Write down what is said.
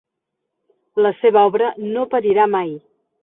La seva obra no perirà mai.